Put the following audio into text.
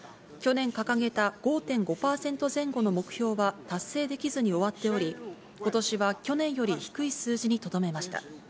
去年掲げた５．５％前後の目標は達成できずに終わっており、今年は去年より低い数字にとどめました。